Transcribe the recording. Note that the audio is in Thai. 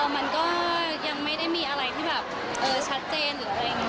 มันก็ยังไม่ได้มีอะไรที่แบบชัดเจนหรืออะไรอย่างนี้